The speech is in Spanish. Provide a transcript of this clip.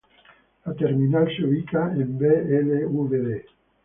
La Terminal se ubica en Blvd.